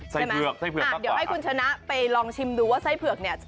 ไส้เผือกตัวต่ออ่ะเดี๋ยวให้คุณชนะไปลองชิมดูว่าไส้เผือกเนี่ย